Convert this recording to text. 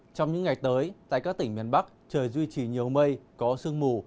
trong những ngày tới tại các tỉnh miền bắc trời duy trì nhiều mây có sương mù